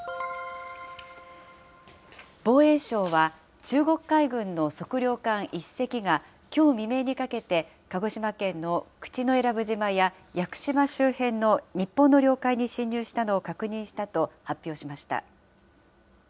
防衛省は、中国海軍の測量艦１隻が、きょう未明にかけて、鹿児島県の口永良部島や屋久島周辺の日本の領海に侵入したのを確認したと発表しました。